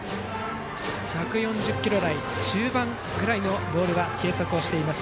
１４０キロ台中盤ぐらいのボールを計測をしています。